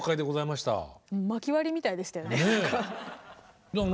まき割りみたいでしたよね何か。